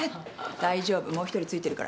大丈夫もう一人付いてるから。